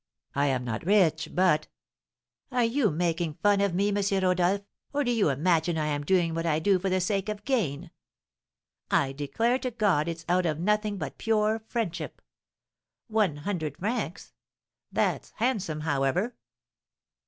I am not rich, but " "Are you making fun of me, M. Rodolph, or do you imagine I am doing what I do for the sake of gain? I declare to God it's out of nothing but pure friendship! One hundred francs! That's handsome, however!"